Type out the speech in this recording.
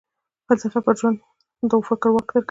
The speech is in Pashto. فلسفه پر ژوند د فکر واک درکوي.